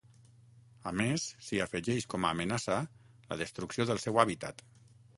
A més, s'hi afegeix com a amenaça, la destrucció del seu hàbitat.